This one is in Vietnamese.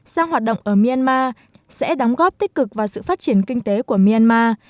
sang hoạt động ở myanmar sẽ đóng góp tích cực vào sự phát triển kinh tế của myanmar